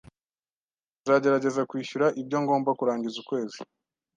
Nzagerageza kwishyura ibyo ngomba kurangiza ukwezi.